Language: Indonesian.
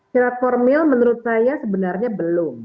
syarat formil menurut saya sebenarnya belum